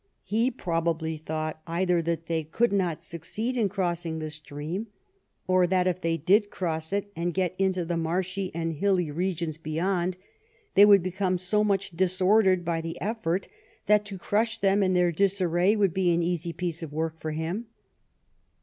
He probably thought either that they could not succeed in crossing the stream, or that if they did cross it and get into the marshy and hilly regions beyond, they would become so much disordered by the effort that to crush them in their disarray would be an easy piece of work for him.